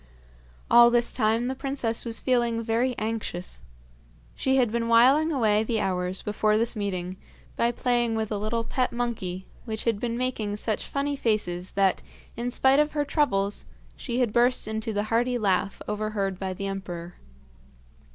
All this time the princess was feeling very anxious. She had been whiling away the hours before this meeting by playing with a little pet monkey, which had been making such funny faces that, in spite of her troubles, she had burst into the hearty laugh overheard by the emperor.